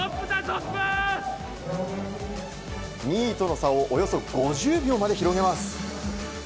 ２位との差をおよそ５０秒まで広げます。